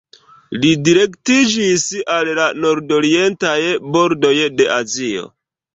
Li direktiĝis al la nordorientaj bordoj de Azio.